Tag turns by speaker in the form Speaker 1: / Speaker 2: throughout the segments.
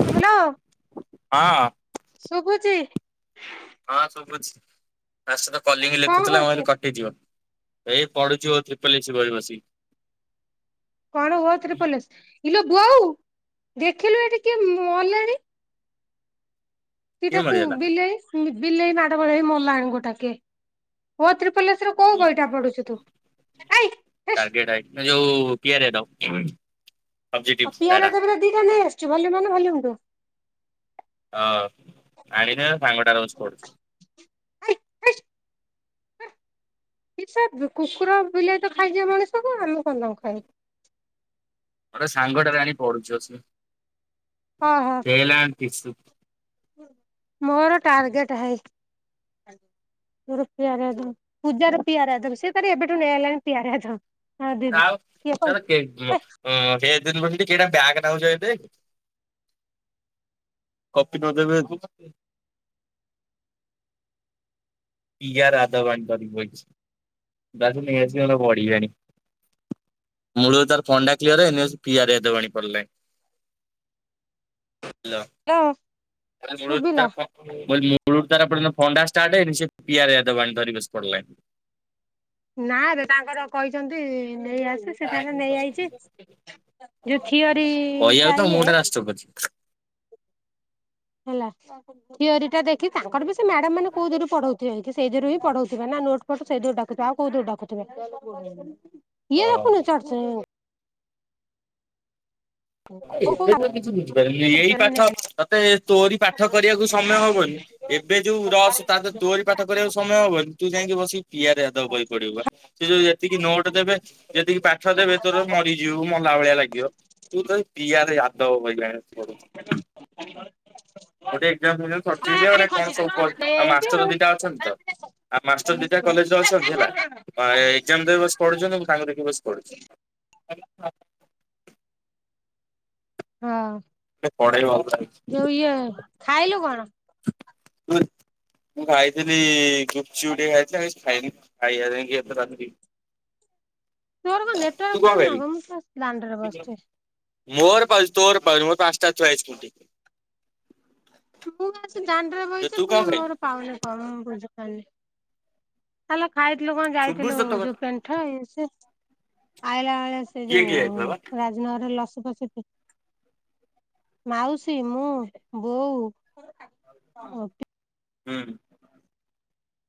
Speaker 1: [unintelligible]
Speaker 2: ହଁ।
Speaker 1: ଶୁଭୁଚି।
Speaker 2: ହଁ ଶୁଭୁଛି। ତା ସହିତ କଲିଙ୍ଗ
Speaker 1: କଣ
Speaker 2: ଲେଖୁଥିଲା ମୁଁ
Speaker 1: କରୁଛୁ
Speaker 2: ଭାବିଲି କଟିଯିବ। ଏଇ ପଢୁଚି ଓ ତ୍ରିପଲ ଏସି ବହି ବସିକି।
Speaker 1: କଣ ଓ ତ୍ରିପଲ ଏସି ଇଲୋ ବୋଉ ଦେଖିଲୁ ଏଠିି କିଏ ମଲେଣି।
Speaker 2: କିଏ
Speaker 1: ସେିଟାକୁଁ
Speaker 2: ମରିଗଲା?
Speaker 1: ବିଲେଇ ବିଲେଇ ମାଡଗୋଳ ହେଇ ମଲାଣି ଗୋଟାକେ ଓ ତ୍ରିପଲ ଏ ସି ର କୋଉ ବହିଟା ପଢୁଛୁ ତୁ? ଏୟୀ ହୁଶ୍
Speaker 2: ଏଇ ଯୋଉ ପିଆର ୟାଡବ।
Speaker 1: ଓ ପିଆର ୟାଦବ ଦିଟା ନେଇ ଆସିଛୁ ଭଲ୍ୟୁମ ୱାନ ଭଲ୍ୟୁମ ଟୁ?
Speaker 2: ହଁ। ଆଣିନି [unintelligible] ସାଙ୍ଗ ଟାର ବସି ପଢୁଛି।
Speaker 1: ଆଇ କି ସେ କୁକୁର ବିଲେଇ ତ ଖାଇଯିବେ ମଣିଷକୁ ଆମେ କଣ ତାଙ୍କୁ ଖାଇବାକୁ
Speaker 2: ଗୋଟେ ସାଙ୍ଗଟାରେ ଆଣି ପଢ଼ୁଚୁ ବସିକି
Speaker 1: ହଁ ହଁ
Speaker 2: ଟେଲ୍ ଆଣ୍ଡେ ଟିସୁ।
Speaker 1: ମୋର ଟାର୍ଗେଟ ଭାଇ ରୁପିଆର ରାଧ ପୂଜାର ପିଆର ଧମ୍ ସିଏ ତାର ଏବେଠୁ ନେଇ ଆଇଲାଣି ପିଆର ଧୁମ୍
Speaker 2: ଆଉ ତାର ଦିନ ଅଁ ସେ [unintelligible] ବ୍ୟାଗ ନଉଚି ଦେ କପି ନଦେବେ ଯେପନ୍ତ ପିଆ ରାଧ ବାଣିକି ଧରକି ବଇଚି ତାକୁ ନେଇଆସିନେ ବଢ଼ିଆଣି ମୂଳରୁ ତାର ଫଣ୍ଡା କ୍ଲିୟର ହେଇନି ପିଆରେଦବାଣି ପଢ଼ିଲାଣି। ହାଲୋ ଏରା ମୂଳରୁ
Speaker 1: ଶୁଭିଲା
Speaker 2: ତାର ପ ମୁଁ କହିଲି ମୂଳରୁ ତାର ଏପଯ୍ୟନ୍ତ ଫୋଣ୍ଡାଷ୍ଟାର୍ଟ ହେଇନି ସେପିଆରଦବାଣି ବସି ପଢ଼ିଲାଣି।
Speaker 1: ନାରେ ତାଙ୍କର କହିଚନ୍ତି ନେଇ ଆସି ସେତାର ନେଇଯାଇଚି ଯୋଉ ଥିଓର
Speaker 2: କହିବାକୁ ତ
Speaker 1: ଟାଇଏ
Speaker 2: [unintelligible]
Speaker 1: ହେଲା ଥିଓରୀଟା ଦେଖି ତାଙ୍କରବି ସେମ୍ୟାଡ଼ାମ୍ ମାନେ କୋଉଦିନୁ ପଢଉ ଇକି ସେଇ ଥିରୁହିଁ ପଢଉଥିବେନା ନୋଟ୍ ଫୋଟ୍ ସେଇଥିରୁ ଡାକୁଥିବ ଆଉ କୋଉଥିରୁ ଡାକୁଥିବେ ଇଏ ଦେଖୁନୁ ଏତେ [unintelligible] ହଁ
Speaker 2: ଏବେତ କିଛି ବୁଝିପାରିଲି ଏଇ ପାଠ ତତେ ତୋରି ପାଠ କରିବାକୁ ସମୟ ହବନି ଏବେ ଯୋଉ ରସ ତାଦହରେ ତୋରି ପାଠ କରିବାକୁ ସମୟ ହବନି ତୁଯାଇକି ବସିକି ପିଆରେଦବ ବହି ପଡ଼ିବୁପା। ସେ ଯୋଉ ଯେତିକି ନୋଟ୍ ଦେବେ ଯେତିକି ପାଠ ଦେବେ ତୋର ମରି ଜିବୁ ମଲା ଭଳିଆ ଲାଗିବ ତୁ ତପିଆର ଆଦ ହବ [unintelligible]
Speaker 1: [unintelligible]
Speaker 2: ଗୋଟେ ଏଗ୍ଜାମ୍ ଫେଗ୍ଜାମ୍ ସରିଚି ବୋଲି କଣ ସବୁ ପଢ଼ି ଆଉ ମାଷ୍ଟର ଦିଟା ଅଛନ୍ତିତ ଆଉ ମାଷ୍ଟର ଦିଟା କଲେଜରେ ଅଛନ୍ତି ହେଲା ଏ ଏଗ୍ଜାମ୍ ଦେବିସି ପଢ଼ୁଚନ୍ତି ମୁତାଙ୍କ ଦେଖି ବସି ପଢ଼ୁଚି [unintelligible]
Speaker 1: ହଁ।
Speaker 2: ପଢ଼େଇବ ଆଉ କାଇଁକି
Speaker 1: ଯୋଉ ଇଏ ଖାଇଲୁ କଣ?
Speaker 2: ଲାଗୁଛି।
Speaker 1: [inaudible]
Speaker 2: ମୁଁ ଖାଇଥିଲି ଗୁପୁଚୁପୁ ଟିକେ ଖାଇଥିଲି ଆଉ କିଛି ଖାଇନି ଖାଇବା ଯାଇକି [unintelligible]
Speaker 1: ତୋର କଁ ନେ
Speaker 2: ତୁ କଁ ଖାଇଲୁକି? ମୋର ପାଉଚି ତୋର ପାଉନି ମୋର ପାଞ୍ଚଟା ଥୁଆ ହେଇଚି ଖୁଣ୍ଟି।
Speaker 1: ମୁଁ ଆସିକି ଦାଣ୍ଡରେ
Speaker 2: ଯେ
Speaker 1: ବଇଚି
Speaker 2: ତୁ କଣ
Speaker 1: ପୁଣି
Speaker 2: ଖାଇଲୁ?
Speaker 1: ମୋର ପାଉନି କଣ ବୁଝିପାରୁନି। ଆଲୋ ଖାଇଥିଲୁ କଣ
Speaker 2: ଶୁଭୁଛି
Speaker 1: ଯାଇଥିଲୁ
Speaker 2: ତ ତୋ
Speaker 1: ଯୋଉ
Speaker 2: କଥା
Speaker 1: ପେଣ୍ଟ ଇଏ ସିଏ ଆଇଲା ବେଳେ ସେ
Speaker 2: କିଏ କିଏ ଯାଇଥିଲ ବା
Speaker 1: ଯୋଉ ରାଜନଗରରେ ଲସି ଫସି ପି ମାଉସୀ ମୁଁ ବୋଉ
Speaker 2: ହୁଁ।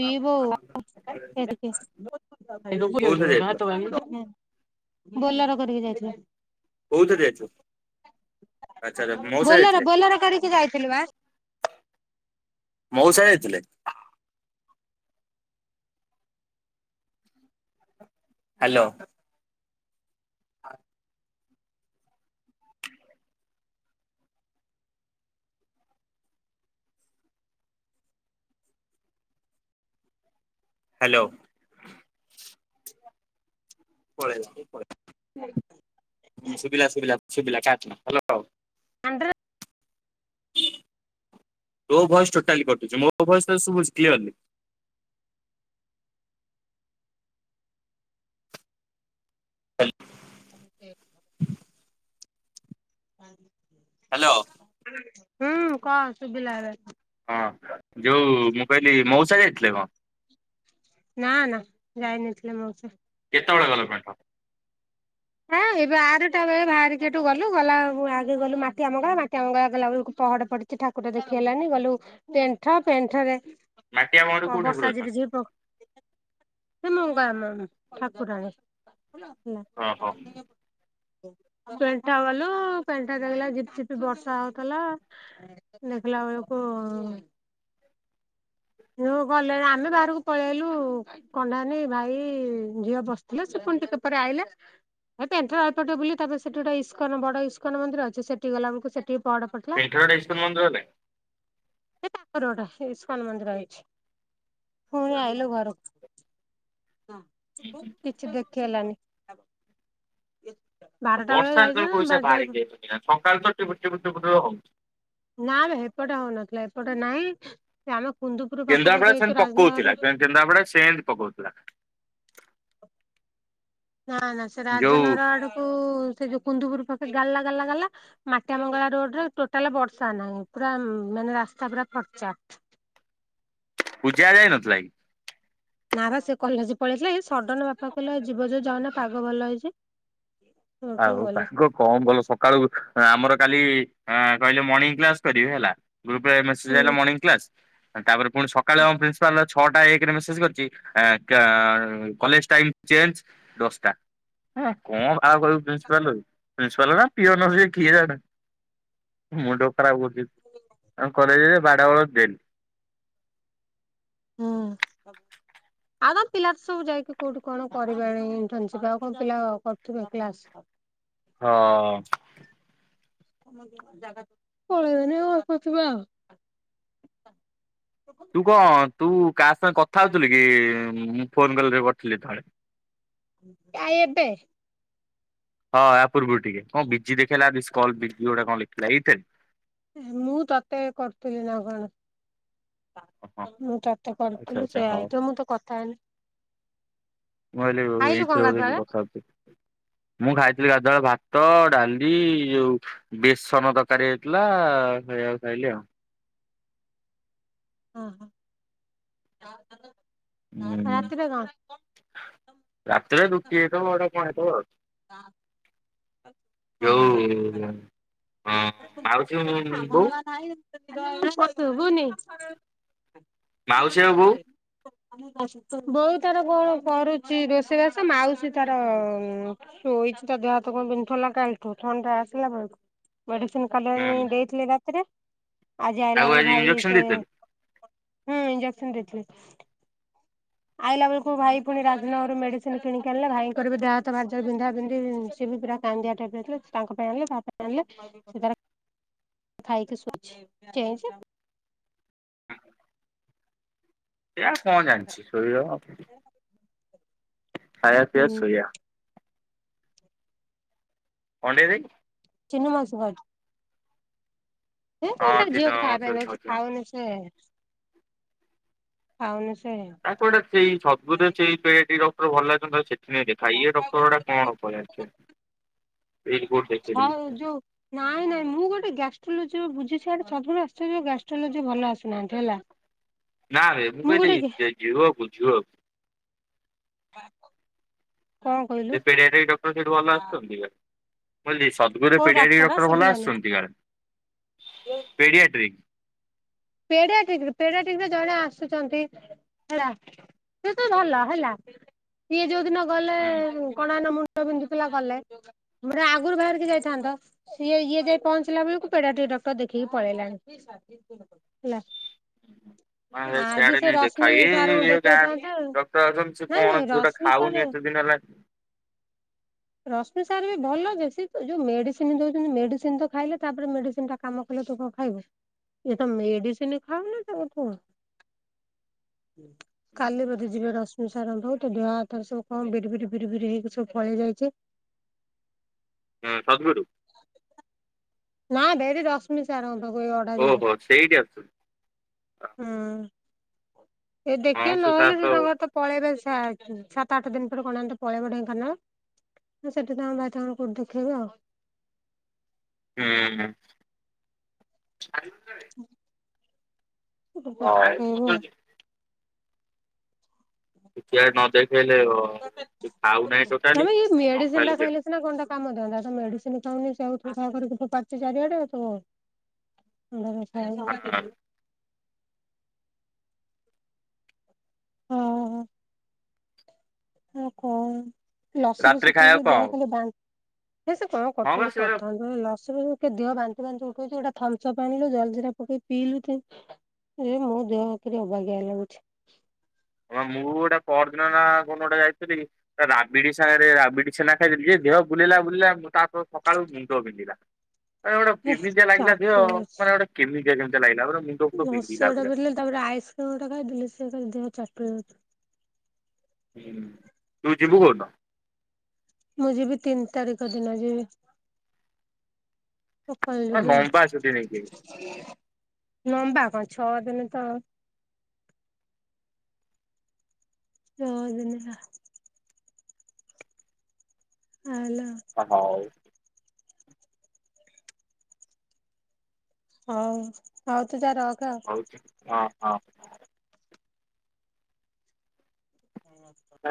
Speaker 1: ପି ବୋଉ ଏଇଟିକି
Speaker 2: କୋଉଥିରେ ଯାଇଥିଲ
Speaker 1: ଆଁ [unintelligible] ହୁଁ। ବୋଲର କରିକି ଯାଇଥିଲୁ।
Speaker 2: କଉଥିରେ ଯାଇଥିଲ? ଆଚ୍ଛା ଆଚ୍ଛା ମଉସା
Speaker 1: ବୋଲର
Speaker 2: ଯାଇଥିଲେ
Speaker 1: ବୋଲର କରିକି ଯାଇଥିଲୁବା।
Speaker 2: ମଉସା ଯାଇଥିଲେ? ହାଲୋ। [inaudible] ହାଲୋ। [unintelligible] ହୁଁ ସୁୁବିଲା ସୁବିଲା ଶୁବିଲା ହାଲୋ।
Speaker 1: ଆନ୍ଦ୍ରା
Speaker 2: ତୋ ଭଏସ ଟୋଟାଲି କଟୁଛି ମୋ ଭଏସ ତ ଶୁଭୁଛି କ୍ଲ୍କିଅରଲି। ହାଲ
Speaker 1: ଆମ ଏ [unintelligible]
Speaker 2: ହାଲୋ।
Speaker 1: ହୁଁ କହ ଶୁଭିଲା ଏବେ।
Speaker 2: ହଁ ଯୋଉ ମୁଁ କହିଲି ମଉସା ଯାଇଥିଲେ କ।
Speaker 1: ନା ନା ଯାଇନଥିଲେ ମଉସା।
Speaker 2: କେତେବେଳେ ଗଲ ପାଠ?
Speaker 1: ହଁ ଏ ବାରଟା ବେଳେ ବାହାରିକି ଏଠୁ ଗଲୁ ଗଲା ବେଳକୁ ଆଗେ ଗଲୁ ମାଟିଆ ମଙ୍ଗଳା ମାଟିଆ ମଙ୍ଗଳା ଗଲା ବେଳକୁ ପହଡ ପଡିି ଠି ଠାକୁର ଦେଖି ହେଲାନି ଗଲୁ ପେଣ୍ଠ ପେଣ୍ଠରେ।
Speaker 2: ମାଟିଆ ବଣରେ
Speaker 1: ଅ
Speaker 2: କୋଉ ଠାକୁର
Speaker 1: ବର୍ଷା ଝିପି
Speaker 2: ଅଛନ୍ତି?
Speaker 1: ଝିପି ପକ ଏ ମୋ ଗା ଆମ ଠାକୁରାଣୀ। ହେଲା
Speaker 2: ଓହୋ।
Speaker 1: [inaudible] ପେଣ୍ଠା ଗଲୁ ପେଣ୍ଠା ରେ ହେଲା ଝିପି ଝିପି ବର୍ଷା ହଉଥିଲା। ଦେଖିଲା ବେଳକୁ। ଯୋଉ ଗଲେ ଆମେ ବାହାରକୁ ପଳେଇଲୁ। କଣ୍ଡାନି ଭାଇ ଝିଅ ବସିଥିଲା ସେ ପୁଣି ଟିକେ ପରେ ଆଇଲା। ଏ ପେଣ୍ଠରେ ଅଳ୍ପ ଟିକେ ବୁଲି ତାପରେ ସେଠି ଗୋଟେ ଇସ୍କନ ବଡ ଇସ୍କନ ମନ୍ଦିର ଅଛି ସେଠି ଗଲା ବେଳକୁ ସେ। ଠି ପହଡ ପଡ଼ିଥିଲା
Speaker 2: ପେଣ୍ଠରଟା ଇସ୍କନ ମନ୍ଦିର ଗଲେ?
Speaker 1: ଏ ପାଖରେ ଗୋଟେ ଏ ଇସ୍କନ ମନ୍ଦିର ଏ ପୁଣି ଆଇଲୁ ଘର। କିଛି ଦେଖିହେଲାନି।
Speaker 2: ବର୍ଷାରେ ତମେ କୋଉ ହିସାବରେ ବାହାରିକି ଜାଇଛ [unintelligible] ସକାଳୁ ତ ଟିପି ଟିପି ଟିପି ଟିପି ହଉଛି।
Speaker 1: ନା ବେ ହେପଟେ ହଉନଥିଲା ଏପଟେ ନାଇଁ ସେ ଆମେ କୁନ୍ଦୁପୁର ପାଖାପାଖି ହେଇଛୁ ରାଜନର।
Speaker 2: ଜେନ୍ତା ପଡେ ସେମିତି ପକଉଥିଲା।
Speaker 1: ନା ନା ସେ
Speaker 2: ଯୋଉ
Speaker 1: ରାଜନର ଆଡକୁ ସେ ଯୋଉ କୁନ୍ଦୁପୁର ପାଖରେ ଗାଲା ଗାଲା ଗାଲା। ମାଟିଆ ମଙ୍ଗଳା ରୋଡରେ ଟୋଟାଲ ବର୍ଷା ନାହିଁ ପୁରା ଉଁ ମାନେ ରାସ୍ତା ପୁରା ଫର୍ଚା।
Speaker 2: ପୂଜା ଯାଇ ନଥିଲା କି?
Speaker 1: ନା ବା ସେ କଲେଜ ପଳେଇଥିଲା ଏଇ ସଡ଼ନ ବାପା କହିଲେ ଯିବ ଯଦି ଯାଉନ ପାଗ ଭଲ ହେଇଛି। ସେଇଠୁ
Speaker 2: ଆଉ
Speaker 1: ଗଲୁ।
Speaker 2: ପାଗ। କଣ କଲ ସକାଳୁ ଆଁମର କାଲି ଆଁ କହିଲେ ମର୍ଣିଙ୍ଗ କ୍ଲାସ କରିବେ ହେଲା। ଗ୍ରୁପ ରେ ମେସେଜ
Speaker 1: ହୁଁ
Speaker 2: ଆଇଲା ମର୍ଣିଙ୍ଗ କ୍ଲାସ୍ ଏଁ ତାପରେ ପୁଣି ସକାଳେ ଆମ ପ୍ରିନ୍ସିପାଲ। ଛଅଟା ଏକରେ ମେସେଜ କରିଛି ଏ କା କଲେଜ ଟାଇମ ଚେଞ୍ଜ ଦଶଟା। ହେ କଣ ଆଉ [unintelligible] ପ୍ରିନ୍ସିପାଲ କୁ ପ୍ରିନ୍ସିପାଲ ନା ପିଅନ ସିଏ କିଏ ଜାଣେ ମୁଣ୍ଡ ଖରାପ କ [unintelligible] ଆଉ କଲେଜରେ ବାଡ଼ [unintelligible]
Speaker 1: ହୁଁ [unintelligible] ଆମ ପିଲାର ସବୁ ଯାଇକି କୋଉଠି କଣ କରିବେଣି ଇଣ୍ଟର୍ନସିପ ଆଉ କଉ ପିଲା କରୁଥିବେ କ୍ଲାସ।
Speaker 2: ହଁ
Speaker 1: ପଳେଇଆଇନି ଗପୁଥିବେ ଆଉ।
Speaker 2: ତୁ କଣ ତୁ କାହା ସାଙ୍ଗେ କଥା ହଉଥିଲୁ କି ମୁଁ ଫୋନ୍ କଲ୍ ରେ କରୁଥିଲି ଯେତେବେଳେ।
Speaker 1: ଆ ଏବେ।
Speaker 2: ହଁ ଆ ପୂର୍ବରୁ ଟିକେ କଣ ବିଜି ଦେଖେଇଲା ମିସକଲ ବିଜି ଗୋଟେ କଣ ଲେଖିଲା ଏଇଥି
Speaker 1: ମୁଁ ତତେ କରୁଥିଲି ନା କଣ? ମୁଁ ତତେ
Speaker 2: ଆଚ୍ଛା
Speaker 1: କରିଥିଲି
Speaker 2: ଆଚ୍ଛା
Speaker 1: ସେଇଆ
Speaker 2: ହଉ
Speaker 1: ହେଇଥିବ ମୁଁ ତ କଥା ହେଇନି
Speaker 2: ମୁଁ ଭାବିଲି
Speaker 1: ଖାଇଲୁ କଣ
Speaker 2: ଏଇଥିରେ ବଧେ
Speaker 1: ଗାଧୁଆଳେ
Speaker 2: କିଏ କଥାହଉଥିଲା। ମୁଁ ଖାଇଥିଲି ଗାଧୁଆବେଳେ ଭାତ ଡାଲି ଯୋଉ ବେସନ ତରକାରୀ ହେଇଥିଲା ଖାଇବା ଖାଇଲି ଆଉ।
Speaker 1: ହଁ ହଁ।
Speaker 2: ହୁଁ ରାତିରେ ରୁଟି ହେଇଥିବ ଗୋଟେ କଣ ହେଇଥିବ ଆଉ।
Speaker 1: ହ।
Speaker 2: ଯୋଉ ଅଁ ମାଉସୀଙ୍କ ବୋଉ?
Speaker 1: ସୁଭୁନି। ବୋଉ
Speaker 2: ମାଉସୀ ଆଉ
Speaker 1: ତାର କଣ କରୁଛି ରୋଷେଇବାସ ମାଉସୀ ତାର ଶୋଇଛି ତା ଦେହ ହାତ କଣ ବିନ୍ଧୁଥିଲା କାଲିଠୁ ଥଣ୍ଡା ଆସିଲା ତ ମେଡିସିନ୍ କାଲିଆଣି
Speaker 2: ହୁଁ
Speaker 1: ଦେଇଥିଲେ ରାତ ରାତିରେ ଆଜି ଆଇଲା
Speaker 2: ତାକୁ
Speaker 1: ବେଳେ ଭାଇ
Speaker 2: ଇଞ୍ଜେକ୍ସନ
Speaker 1: ସେ
Speaker 2: ଦେଇଥିଲୁ।
Speaker 1: ହୁଁ ଇଞେକ୍ସନ ଦେଇଥିଲେ। ଆଇଲା ବେଳକୁ ଭାଇ ପୁଣି ରାଜନଗରରୁ ମେଡିସିନ କିଣିକି ଆଣିଲେ ଭାଇଙ୍କର ବି ଦେହ ହାତ ଭାରି ଜୋର ବିନ୍ଧା ବିନ୍ଧି ସିିଏବି ପୁରା [unintelligible] ଟାଇପର ଥିଲେ ତାଙ୍କ ପାଇଁ ଆଣିଲେ ତା ପାଇଁ ଆଣିଲେ ସେ ତାର ଖାଇକି ଶୋଇଛି ଚେଇଁଚି?
Speaker 2: ସେଇଆ କଣ ଜାଣିଛି ଶୋଇବ ଖାଇବା ପିଇବା
Speaker 1: ହୁଁ
Speaker 2: ଶୋଇବା। କଣ୍ଡେଇ ଦେଇ
Speaker 1: ଚିନୁ ମାଉସି ଖାଉଚୁ। ସେ
Speaker 2: ହଁ
Speaker 1: ତାର
Speaker 2: ତିନ
Speaker 1: ଝିଅକୁ ଖାଇବା ପାଇଁ
Speaker 2: ସରି
Speaker 1: ଜାଉଛି
Speaker 2: ଖାଉଛି ହଁ।
Speaker 1: ଖାଉନି ସେ। ଖାଉନି ସେ।
Speaker 2: ତାକୁଗୋଟେ ସେଇ [inaudible] ସେଇ ପେଡି ଆଟ୍ରିକ ଡ଼କ୍ଟର ଭଲ ଲାଗି ଥାନ୍ତା ସେ ଦେଖା ଇଏ ଡକ୍ଟର ଗୁଡା କଣ ଉପରେ ଜାଣିଚନ୍ତି ଏଇଠି କଉଠି ଦେଖ
Speaker 1: [inaudible] ଏଯୋଉ ନାଇଁ ନାଇଁ ମୁଁ ଗୋଟେ ଗ୍ୟାଷ୍ଟ୍ରୋଲୋଜି ବୁଝୁଛିି ଆଡେ ସବୁବେଳେ ଆଶ୍ଚର୍ଯ୍ୟ ଗ୍ୟାଷ୍ଟ୍ରୋଲୋଜି ଭଲ ଆସୁନାହାନ୍ତି ହେଲା।
Speaker 2: ନା ରେ ମୁଁ କଇଲି ଯିଏ ଝୁଅକୁ ଝୁଅକୁ।
Speaker 1: ହ
Speaker 2: ସେ ପେଡିଆଟ୍ରିକ ଡକ୍ଟର ସେଠି ଭଲ ଆସୁଛନ୍ତି କା ମୁଁ କହିଲି ସ ମୁଁ କହିଲି
Speaker 1: କୋଉ
Speaker 2: ପେଡ଼ିଆଟ୍ରିକ
Speaker 1: ଡାକ୍ତର
Speaker 2: ଡକ୍ଟର ଭଲ
Speaker 1: ଶୁଭିଲାନି
Speaker 2: ଆସୁଛନ୍ତି କୁଆଡେ଼, ପେଡ଼ିଆଟ୍ରିକ?
Speaker 1: ପେଡିଆଟ୍ରିକ ରୁ ପେଡ଼ିଆଟ୍ରିକରୁ ଜଣେ ଆସୁଛନ୍ତି ହେଲା। ସେ ତ ଭଲ ହେଲା। ସିଏ ଯୋଉ ଦିନ ଗଲେ
Speaker 2: ହଁ।
Speaker 1: କଣ ଏଇନା ମୁଣ୍ଡ ବିନ୍ଧୁଥିଲା ଗଲେ, [inaudible] ଆଗୁରୁ ବାହାରିକି ଯାଇଥାନ୍ତ। ସିଏ ଇଏ ଯାଇ ପହଞ୍ଚିଲା ବେଳକୁ ପେଡିଆଟ୍ରିକ ଡକ୍ଟର ଦେଖେଇକି ପଳେଇଲାଣି ହେଲା। [inaudible]
Speaker 2: ନା
Speaker 1: ଆଜି
Speaker 2: ସିଆଡେ
Speaker 1: ସେ
Speaker 2: ନେଇ ଦେଖା
Speaker 1: ରଶ୍ମି ସାର୍
Speaker 2: ଏଇ
Speaker 1: ଙ୍କୁ
Speaker 2: ଇଏ ଗାଁ
Speaker 1: ଦେଖେଇଥାନ୍ତେ
Speaker 2: ଡକ୍ଟର ଅଛନ୍ତି ସେ
Speaker 1: ନାଇଁ ନାଇଁ
Speaker 2: କଣ ଯୋଉଟା
Speaker 1: ରଶ୍ମି ସାର୍
Speaker 2: ଖାଉନି ଏତେ ଦିନ ହେଲାଣି
Speaker 1: [inaudible] ରଶ୍ମି ସାରବି ଭଲ ଜେ ସେ ଯୋଉ ମେଡିସିନ ଦଉଛନ୍ତି ମେଡିସିନ ତ ଖାଇଲେ ତାପରେ ମେଡିସିନ ଟା କାମ କଲେ ତୁ କଣ ଖାଇବୁ? ଇଏ ତ ମେଡିସିନ ଖାଉନି [unintelligible] କାଲି ବଧେ ଯିବେ ରସ [unintelligible] ବହୁତ ତ ଦେହ ହାତରେ ସବୁ କଣ ବିରି ବିରି ବିରି ବିରି ହେଇକି ସବୁ ଫଳି ଯାଇଛି।
Speaker 2: ହଁ ସଦ୍ଗୁରୁ।
Speaker 1: ନା ଭେଡି ରଶମି ସାରଙ୍କ ପଖକୁ ଏଇ ଅଡା ଯିବି।
Speaker 2: ଓହୋ ସେଇଠି ଆସୁଛନ୍ତି
Speaker 1: ହୁଁ। ଏଇଠି
Speaker 2: ହଁ
Speaker 1: ଦେଖିବେ
Speaker 2: ତାର
Speaker 1: ନହେଲେ
Speaker 2: ତ
Speaker 1: ସେ
Speaker 2: ହୁଁ
Speaker 1: ତାଙ୍କର ପଳେଇବେ ସାତ ସାତ ଆଠ ଦିନ ପରେ କଣ ଏମିତି ପଳେଇବେ ଢେଙ୍କାନାଳ। ସେଠି ତାଙ୍କ ଭାଇ ତାଙ୍କର କୋଉଠି ଦେଖେଇବେ ଆଉ
Speaker 2: ହୁଁ। [unintelligible]
Speaker 1: [unintelligible]
Speaker 2: ସେଆଡ ନ ଦେଖେଇଲେ ହ
Speaker 1: ନାଆମ ଇଏ
Speaker 2: ନ
Speaker 1: ମେଡିସିନ ଟା
Speaker 2: କେମିତି
Speaker 1: ଖାଇଲେ କଣ୍ଟା କାମ ଦିଆନ୍ତା ସେ ମେଡିସିନ ଖାଉନି ସେଉଠୁ ତାପରେ ସେଠୁ ଫୋପଡ଼ୁଚି ଚାରିଆଡେ ତ
Speaker 2: ହଁ
Speaker 1: [unintelligible] ହଁ। ହଉ କଣ ଲସି
Speaker 2: ରାତିରେ
Speaker 1: ଫସି ପିଇଛି
Speaker 2: ଖାଇବାକୁ କଣ
Speaker 1: ଦେହ
Speaker 2: ହବ
Speaker 1: ଖାଲି ବା ହେ ସେ କଣ?
Speaker 2: ହଁ ବା
Speaker 1: କରୁଛନ୍ତି
Speaker 2: ସେଗୁରା
Speaker 1: କରୁଥାନ୍ତୁ ହେ ଲସି ଫ ଦେହ ବାନ୍ତି ଫାନ୍ତି ଉଠଉଛି ଗୋଟା ଥିମ୍ପସପ ଆଣିଲୁ ଜଲଜି ରା ପକେଇ ପିଇଲୁ ଯେ ଏ ମୋ ଦେହକିରି ଅବାଗିଆ ଲାଗୁଛି।
Speaker 2: ହ ମୁଁ ଗୋଟେ ପରଦିନ ନା କୋଉ ଦିନଗୋଟେ ଯାଇଥିଲି ତା ରାବିଡି ସାଙ୍ଗରେ ରାବିଡି ଛେନା ଖାଇଦେଲି ଯେ ଦେହ ବୁଲେଇଲା ବୁଲେଇଲା ତାପର ସକାଳୁ ମୁଣ୍ଡ ବିନ୍ଧିଲା। ଆରେ ଗୋଟେ
Speaker 1: ହେ
Speaker 2: କେମିତିଆ ଲାଗିଲା ଦେହ
Speaker 1: ଚାଟୁ
Speaker 2: ମାନେ ଗୋଟେ କେମିତିଆ କେମିତିଆ ଲାଗିଲା। [unintelligible] ବିନ୍ଧିଲା
Speaker 1: ଲସି ଗୋଟେ
Speaker 2: ପୁରା।
Speaker 1: ପିଇଥିଲି ତାପରେ ଆଇସ୍କ୍ରିମ ଗୋଟା ଖାଇଦେଲି ସେ ଦେହ [unintelligible]
Speaker 2: ହୁଁ ତୁ ଯିବୁ କୋଉଦିନ?
Speaker 1: ମୁଁ ଯିବି ତିନ୍ ତାରିଖ ଦିନ ଯିବି। ସକାଳୁ
Speaker 2: ହଁ
Speaker 1: ଯିବି ଆଉ
Speaker 2: ଲମ୍ବା ଛୁଟି ନେଇକି
Speaker 1: ଲମ୍ବା କଣ ଛଅ ଦିନ ତ ଛଅଦିନ ତ ହାଲୋ।
Speaker 2: ହଉ
Speaker 1: ହଉ ହଉ ତୁ ଯା ର
Speaker 2: ହଉଛି ହଁ ହଁ।
Speaker 1: ହଁ।